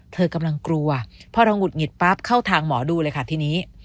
เธอกำลังกลัวพอเราหุดหงิดปั๊บเข้าทางหมอดูเลยค่ะทีนี้